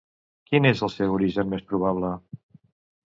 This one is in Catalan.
Quin és el seu origen més probable?